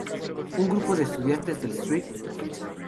Un grupo de estudiantes del St.